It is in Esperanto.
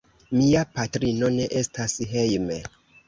Mia patrino ne estas hejme.